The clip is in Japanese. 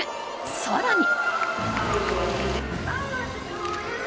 更に。